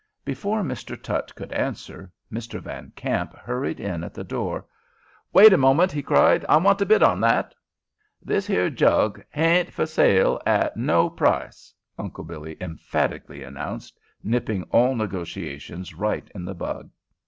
Before Mr. Tutt could answer, Mr. Van Kamp hurried in at the door. "Wait a moment!" he cried. "I want to bid on that!" "This here jug hain't fer sale at no price," Uncle Billy emphatically announced, nipping all negotiations right in the bud.